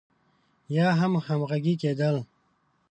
يا هم همغږي کېدل.